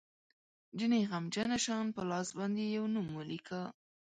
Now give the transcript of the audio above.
جینۍ غمجنه شان په لاس باندې یو نوم ولیکه